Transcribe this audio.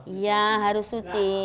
iya harus suci